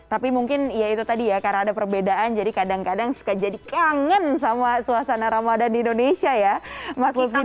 tapi mungkin ya itu tadi ya karena ada perbedaan jadi kadang kadang suka jadi kangen sama suasana ramadan di indonesia ya mas lutfi